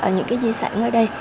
những cái di sản ở đây